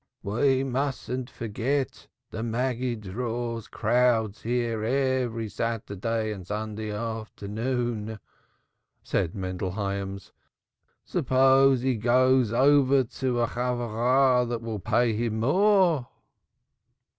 "We mustn't forget the Maggid draws crowds here every Saturday and Sunday afternoon," said Mendel Hyams. "Suppose he goes over to a Chevrah that will pay him more!"